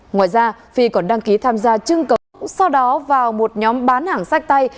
ngoài ra phi còn đăng ký tham gia chương cấu sau đó vào một nhóm bán hàng sách tay